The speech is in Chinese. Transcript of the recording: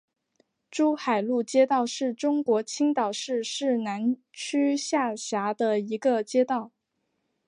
珠海路街道是中国青岛市市南区下辖的一个街道。